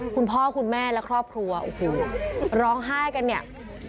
คุณพ่อคุณแม่และครอบครัวโอ้โหร้องไห้กันเนี่ย